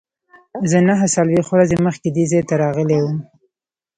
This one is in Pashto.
زه نهه څلوېښت ورځې مخکې دې ځای ته راغلی وم.